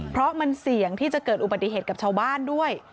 เพราะมันเสี่ยงที่จะเกิดอุบัติเหตุกับชาวบ้านด้วย